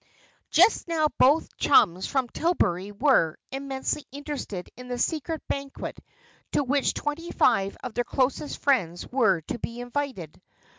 Just now both chums from Tillbury were, immensely interested in the secret banquet to which twenty five of their closest friends were to be invited.